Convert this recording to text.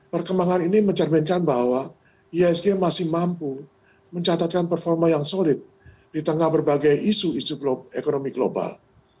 perkembangan ini mencerminkan bahwa ihsg masih mampu mencatatkan performa yang solid di tengah berbagai isu isu ekonomi global